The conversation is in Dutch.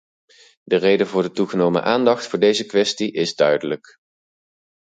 De reden voor de toegenomen aandacht voor deze kwestie is duidelijk.